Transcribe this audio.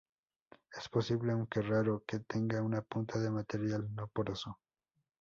Es posible, aunque raro, que tenga una punta de material no poroso.